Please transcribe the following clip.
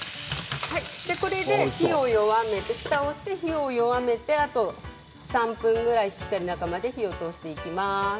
これでふたをして火を弱めてあと３分ぐらいしっかり中まで火を通していきます。